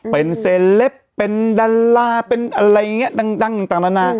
เป็นเซลปเป็นดัลลาเป็นอะไรอย่างเงี้ยต่างต่าง